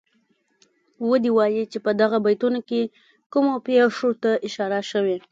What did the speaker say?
ودې وايي چه په دغو بیتونو کې کومو پېښو ته اشاره شوې.